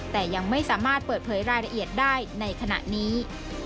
แต่ยังไม่สามารถเปิดเผยรายละเอียดได้ในขณะนี้